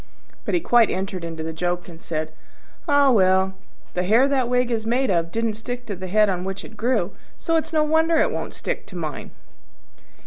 But he quite entered into the joke, and said, "Ah, well! the hair that wig is made of didn't stick to the head on which it grew; so it's no wonder it won't stick to mine."